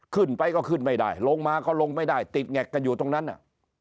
ขึ้นไปก็ขึ้นไม่ได้ลงมาก็ลงไม่ได้ติดแงกกันอยู่ตรงนั้นน่ะ